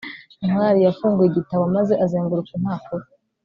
ntwali yafunguye igitabo maze azenguruka impapuro